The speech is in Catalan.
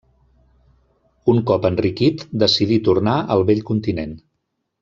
Un cop enriquit decidí tornar al Vell Continent.